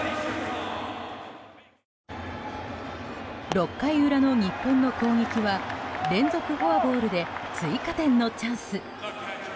６回裏の日本の攻撃は連続フォアボールで追加点のチャンス。